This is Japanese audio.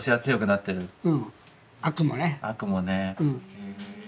悪もね。